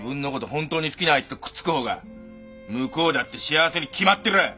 本当に好きな相手とくっつく方が向こうだって幸せに決まってる。